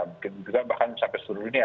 mungkin juga bahkan sampai seluruh dunia